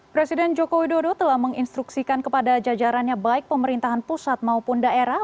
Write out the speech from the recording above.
presiden joko widodo telah menginstruksikan kepada jajarannya baik pemerintahan pusat maupun daerah